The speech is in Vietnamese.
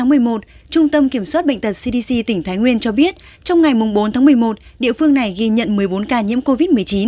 ngày một mươi một trung tâm kiểm soát bệnh tật cdc tỉnh thái nguyên cho biết trong ngày bốn tháng một mươi một địa phương này ghi nhận một mươi bốn ca nhiễm covid một mươi chín